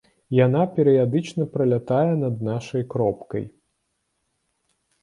Яна перыядычна пралятае над нашай кропкай.